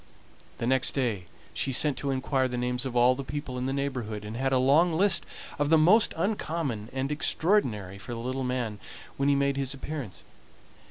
The next day she sent to inquire the names of all the people in the neighborhood, and had a long list of the most uncommon and extraordinary for the little man when he made his appearance.